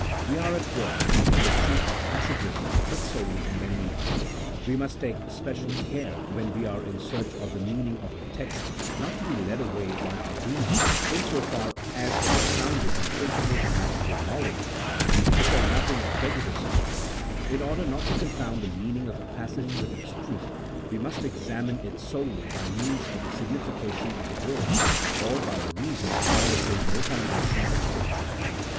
We are at work not on the truth of passages, but solely on their meaning. We must take especial care, when we are in search of the meaning of a text, not to be led away by our reason in so far as it is founded on principles of natural knowledge (to say nothing of prejudices) : in order not to confound the meaning of a passage with its truth, we must examine it solely by means of the signification of the words, or by a reason acknowledging no foundation but Scripture.